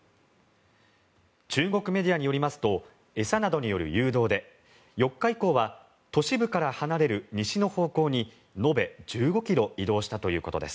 中国メディアによりますと餌などによる誘導で４日以降は都市部から離れる西の方向に延べ１５ｋｍ移動したということです。